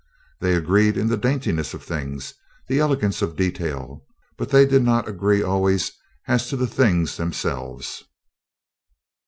They agreed in the daintiness of things, the elegance of detail; but they did not agree always as to the things themselves.